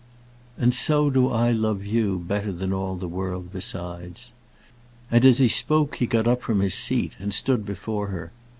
"And so do I love you better than all the world besides." And as he spoke he got up from his seat and stood before her.